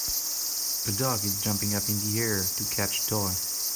A dog is jumping up in the air to catch a toy.